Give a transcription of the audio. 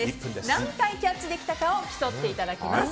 何回キャッチできたかを競っていただきます。